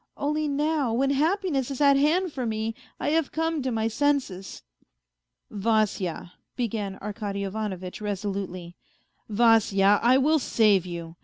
Only now, when happiness is at hand for me, I have come to my senses." " Vasya," began Arkady Ivanovitch resolutely, " Vasya, I will save you.